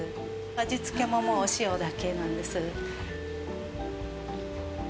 味付けも、お塩だけなんです。